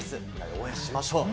応援しましょう。